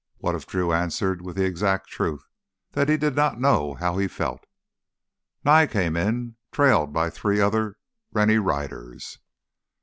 What if Drew answered with the exact truth, that he did not know how he felt? Nye came in, trailed by three of the other Rennie riders.